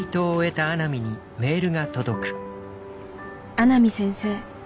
「阿南先生。